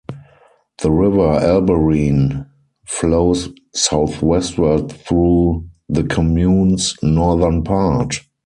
The river Albarine flows southwestward through the commune's northern part.